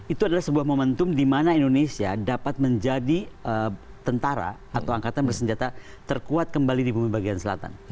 itu adalah sebuah momentum di mana indonesia dapat menjadi tentara atau angkatan bersenjata terkuat kembali di bumi bagian selatan